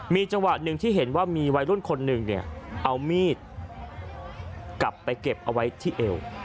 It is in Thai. มีจังหวะหนึ่งที่เห็นว่ามีวัยรุ่นคนหนึ่งเนี่ยเอามีดกลับไปเก็บเอาไว้ที่เอว